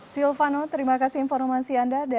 silvano terima kasih informasi anda